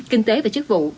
kinh tế và chức vụ